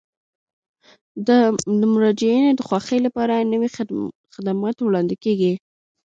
د مراجعینو د خوښۍ لپاره نوي خدمات وړاندې کیږي.